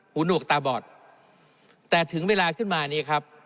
หนวกตาบอดแต่ถึงเวลาขึ้นมาเนี่ยครับ